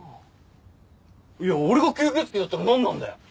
いや俺が吸血鬼だったらなんなんだよ！？